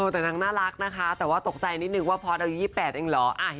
แต่นางน่ารักนะคะแต่ว่าตกใจนิดนึงว่าพอร์ตอายุ๒๘เองเหรอ